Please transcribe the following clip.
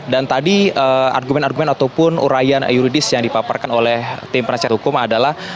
dan tadi argumen argumen ataupun urayan euridis yang dipaparkan oleh tim rakyat hukum adalah